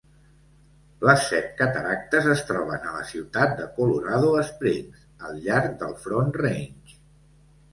Les Set Cataractes es troben a la ciutat de Colorado Springs, al llarg del Front Range.